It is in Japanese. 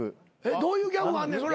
どういうギャグあんねん。